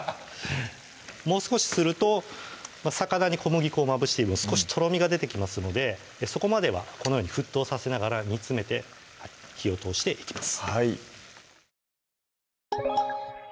もう少しすると魚に小麦粉をまぶしているので少しとろみが出てきますのでそこまではこのように沸騰させながら煮詰めて火を通していきます